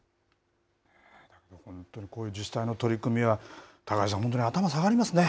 本当にこういう自治体の取り組みは、高橋さん、本当に頭下がりますね。